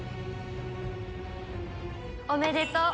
おめでとう。